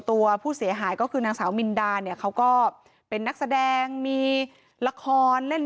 ตัวผู้เสียหายก็คือนางสาวมินดาเนี่ยเขาก็เป็นนักแสดงมีละครเล่น